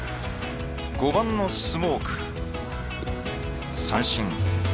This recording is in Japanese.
５番のスモーク三振。